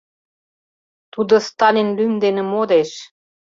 Тудо Сталин лӱм дене модеш.